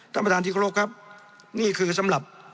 ท่านประธานที่เคารพครับนี่คือสำหรับ